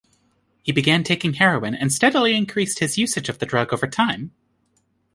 He began taking heroin and steadily increased his usage of the drug over time.